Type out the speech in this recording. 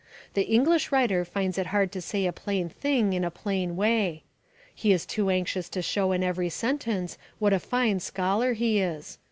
The English writer finds it hard to say a plain thing in a plain way. He is too anxious to show in every sentence what a fine scholar he is.